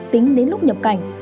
tính đến lúc nhập cảnh